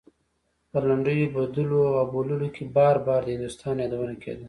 په لنډيو بدلو او بوللو کې بار بار د هندوستان يادونه کېده.